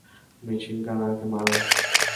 Machine গানারকে মারো!